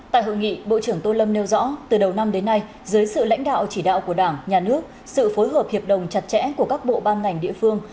tại hội nghị bộ trưởng tô lâm nêu rõ từ đầu năm đến nay dưới sự lãnh đạo chỉ đạo của đảng nhà nước sự phối hợp hiệp đồng chặt chẽ của các bộ ban ngành địa phương